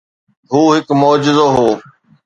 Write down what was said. هو هڪ معجزو هو.